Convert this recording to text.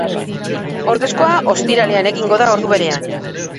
Ordezkoa ostiralean egingo da, ordu berean.